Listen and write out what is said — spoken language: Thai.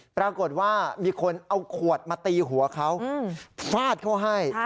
ปรากฏว่ามีคนเอาขวดมาตีหัวเขาฟาดเขาให้